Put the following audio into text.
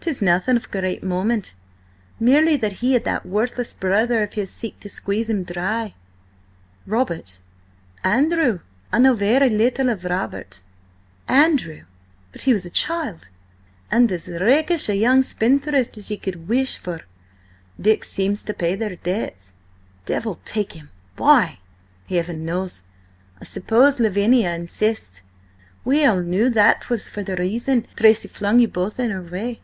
"'Tis nothing of great moment. Merely that he and that worthless brother of his seek to squeeze him dry." "Robert?" "Andrew. I know very little of Robert." "Andrew! But he was a child—" "Well, he's grown up now, and as rakish a young spendthrift as ye could wish for. Dick seems to pay their debts." "Devil take him! Why?" "Heaven knows! I suppose Lavinia insists. We all knew that 'twas for that reason Tracy flung you both in her way."